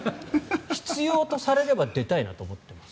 必要とされれば出たいなと思ってます。